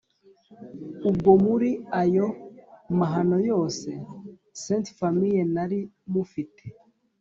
ubwo muri ayo mahano yose Ste Famille nari mufite,